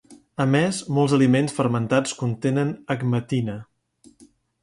A més, molts aliments fermentats contenen agmatina.